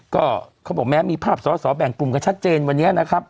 ก็เขาบอกแม้มีภาพสอสอแบ่งกลุ่มกันชัดเจนวันนี้นะครับ